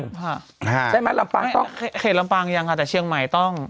ใช่ไหมลำปางต้องเขตลำปางยังค่ะแต่เชียงใหม่ต้อง